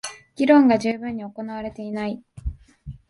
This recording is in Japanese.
議論が充分に行われていない